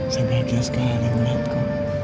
saya bahagia sekali melihatmu